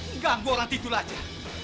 enggak gue orang tidur aja